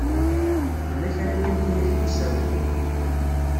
Tella kra n yiwet i ak-d-isawlen.